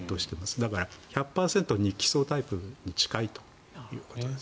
だから、１００％日機装タイプに近いということです。